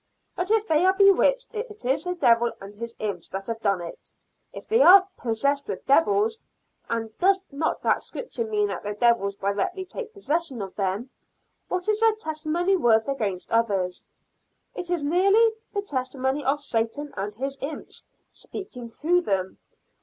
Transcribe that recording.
But, if they are bewitched, it is the devil and his imps that have done it. If they are 'possessed with devils' and does not that scripture mean that the devils directly take possession of them what is their testimony worth against others? It is nearly the testimony of Satan and his imps, speaking through them.